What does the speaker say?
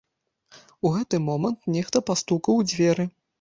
У гэты момант нехта пастукаў у дзверы.